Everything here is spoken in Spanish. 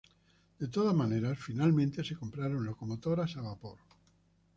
De todas maneras, finalmente se compraron locomotoras a vapor.